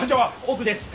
奥です。